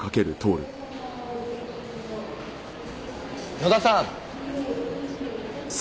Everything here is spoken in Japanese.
野田さん。